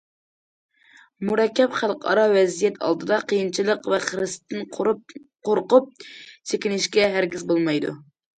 مۇرەككەپ خەلقئارا ۋەزىيەت ئالدىدا، قىيىنچىلىق ۋە خىرىستىن قورقۇپ، چېكىنىشكە ھەرگىز بولمايدۇ.